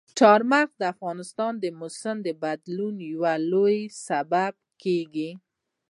چار مغز د افغانستان د موسم د بدلون یو لوی سبب کېږي.